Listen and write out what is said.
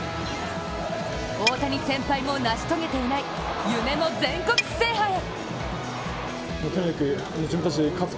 大谷先輩も成し遂げていない夢の全国制覇へ。